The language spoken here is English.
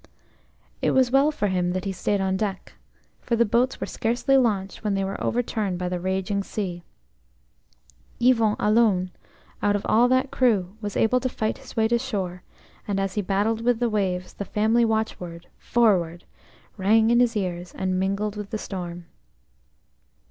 T was well for him that he stayed on deck, for the boats were scarcely launched when they were overturned by the raging sea. Yvon alone, out of all that crew, was able to fight his way to shore, and as he battled with the waves the family watchword "Forward!" rang in his ears and mingled with the storm.